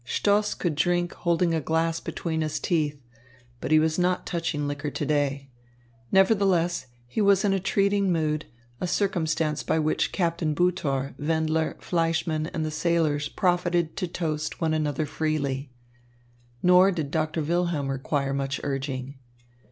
Stoss could drink holding a glass between his teeth; but he was not touching liquor to day. Nevertheless, he was in a treating mood, a circumstance by which Captain Butor, Wendler, Fleischmann and the sailors profited to toast one another freely. Nor did Doctor Wilhelm require much urging.